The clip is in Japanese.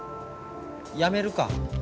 やめるか。